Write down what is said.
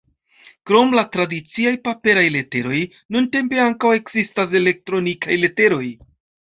Krom la tradiciaj paperaj leteroj nuntempe ankaŭ ekzistas elektronikaj leteroj.